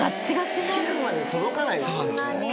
皮膚まで届かないですよね。